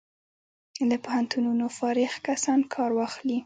له پوهنتونونو فارغ کسان کار واخلي.